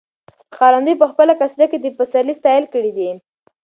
ښکارندوی په خپله قصیده کې د پسرلي ستایل کړي دي.